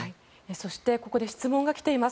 そしてここで質問が来ています。